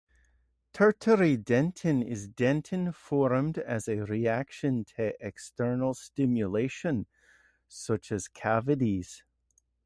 Tertiary dentin is dentin formed as a reaction to external stimulation such as cavities.